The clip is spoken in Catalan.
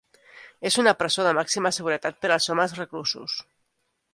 És una presó de màxima seguretat per als homes reclusos.